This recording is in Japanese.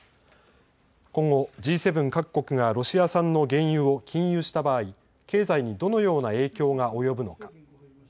今後、Ｇ７各国がロシア産の原油を禁輸した場合、経済にどのような影響が及ぶのか。